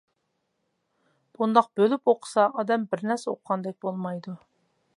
بۇنداق بۆلۈپ ئوقۇسا ئادەم بىر نەرسە ئوقۇغاندەك بولمايدۇ.